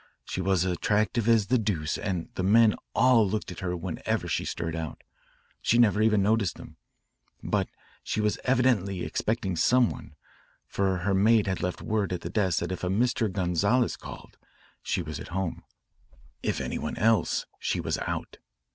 She was attractive as the deuce, and the men all looked at her whenever she stirred out. She never even noticed them. But she was evidently expecting some one, for her maid had left word at the desk that if a Mr. Gonzales called, she was at home; if any one else, she was out.